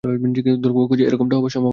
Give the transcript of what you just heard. দুর্ভাগ্য যে এরকমটা হবার সম্ভাবনা নেই।